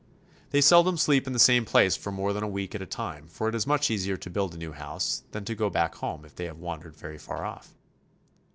They seldom sleep in the same place for more than a week at a time, for it is much easier to build a new house than to go back home if they have wandered very far off.